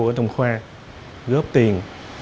ở trong khoa góp tiền